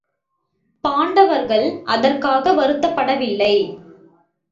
பாண்டவர்கள் அதற்காக வருத்தப்படவில்லை.